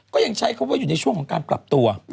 ก็ยังใช้คำว่าอยู่ในช่วงของการปรับตัว